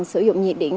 sử dụng nhiệt điện